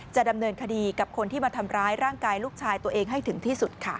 จะดำเนินคดีกับคนที่มาทำร้ายร่างกายลูกชายตัวเองให้ถึงที่สุดค่ะ